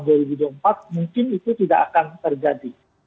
mungkin itu tidak akan terjadi